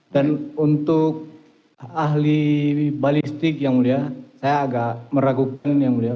untuk ahli balistik yang mulia saya agak meragukan yang mulia